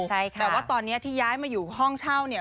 แต่ว่าตอนนี้ที่ย้ายมาอยู่ห้องเช่าเนี่ย